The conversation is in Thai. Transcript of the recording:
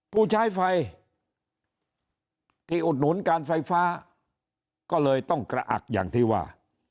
ผู้ใช้ไฟที่อุดหนุนการไฟฟ้าก็เลยต้องกระอักอย่างที่ว่า